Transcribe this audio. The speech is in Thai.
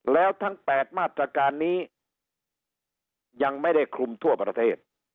แล้วทั้ง๘มาตรการนี้ยังไม่ได้คลุมทั่วประเทศ